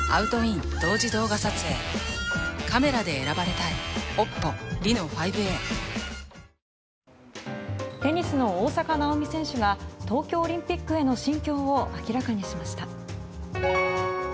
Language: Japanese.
続いてはオリンピックを目前にテニスの大坂なおみ選手が東京オリンピックへの心境を明らかにしました。